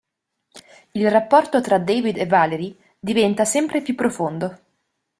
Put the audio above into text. Il rapporto tra David e Valerie diventa sempre più profondo.